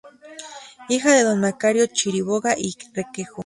Hija de don Mariano Chiriboga y Requejo.